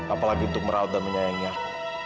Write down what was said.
apalagi untuk merawat dan menyayangi